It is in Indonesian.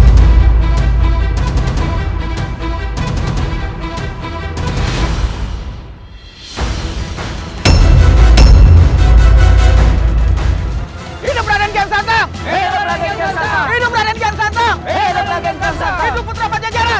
hidup raden kian santap